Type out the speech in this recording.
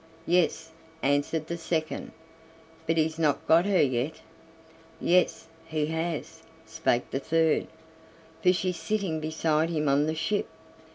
"Yes," answered the second, "but he's not got her yet." "Yes, he has," spake the third, "for she's sitting beside him on the ship."